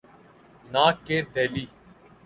نہ کہ دہلی۔